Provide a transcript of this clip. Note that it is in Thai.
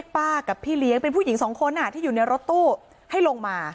กับพี่เลี้ยงเป็นผู้หญิงสองคนที่อยู่ในรถตู้ให้ลงมา